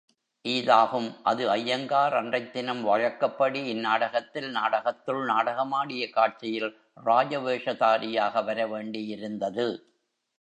ஈதாகும் அது ஐயங்கார் அன்றைத் தினம் வழக்கப்படி, இந் நாடகத்தில், நாடகத்துள் நாடகமாடிய காட்சியில், ராஜவேஷதாரியாக வரவேண்டியிருந்தது.